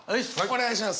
お願いします。